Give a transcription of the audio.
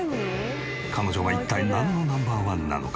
彼女は一体なんのＮｏ．１なのか？